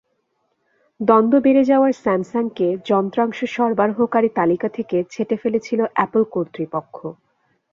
দ্বন্দ্ব বেড়ে যাওয়ার স্যামসাংকে যন্ত্রাংশ সরবরাহকারী তালিকা থেকে ছেঁটে ফেলেছিল অ্যাপল কর্তৃপক্ষ।